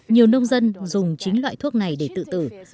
nhiều nông dân dùng chính loại thuốc này để tự tử